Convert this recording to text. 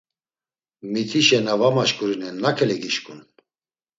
Mitişe na var maşkurinen nakele gişǩun?